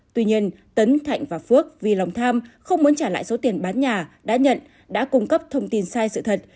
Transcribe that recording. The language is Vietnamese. tuy nhiên tấn thạnh và phước vì lòng tham không muốn trả lại số tiền bán nhà đã nhận đã cung cấp thông tin sai sự thật